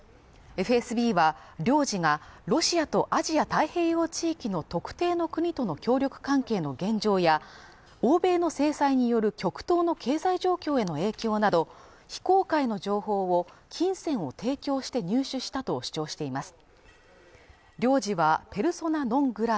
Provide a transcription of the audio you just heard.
ＦＳＢは領事がロシアとアジア太平洋地域の特定の国との協力関係の現状や欧米の制裁による極東の経済状況への影響など非公開の情報を金銭を提供して入手したと主張しています